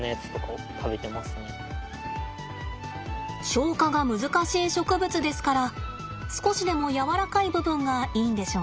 消化が難しい植物ですから少しでもやわらかい部分がいいんでしょうね。